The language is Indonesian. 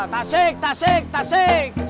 tasik tasik tasik